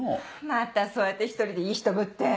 またそうやって１人でいい人ぶって。